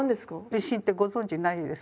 運針ってご存じないですかね？